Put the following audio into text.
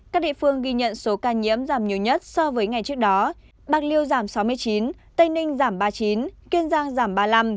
các địa phương ghi nhận số ca nhiễm giảm nhiều nhất so với ngày trước đó bạc liêu giảm sáu mươi chín tây ninh giảm ba mươi chín kiên giang giảm ba mươi năm